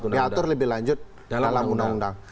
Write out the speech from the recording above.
diatur lebih lanjut dalam undang undang